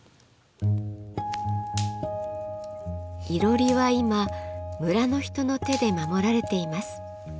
いろりは今村の人の手で守られています。